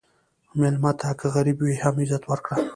مېلمه ته که غریب وي، هم عزت ورکړه.